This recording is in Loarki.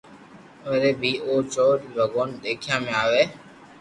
وري بي او چور ني ڀگوان دآکيا ۾ آوي